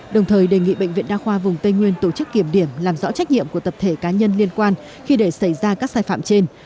đồng thời đề nghị bệnh viện đa khoa vùng tây nguyên tổ chức kiểm điểm làm rõ trách nhiệm của tập thể cá nhân liên quan khi để xảy ra các sai phạm trên